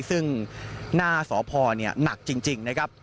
ซึ่งหน้าสพหนักจริงนะครับ